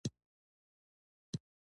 په دنیا د جهالت پردې خورې وې په پښتو وینا.